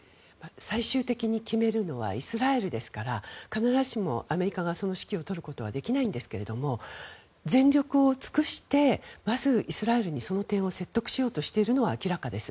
最終的に決めるのはイスラエルですから必ずしもアメリカがその指揮を執ることはできないんですが全力を尽くしてまずイスラエルにその点を説得しようとしているのは明らかです。